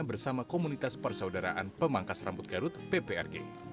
bersama komunitas persaudaraan pemangkas rambut garut pprg